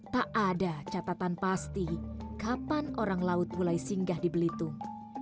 tak ada catatan pasti kapan orang laut mulai singgah di belitung